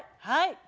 はい。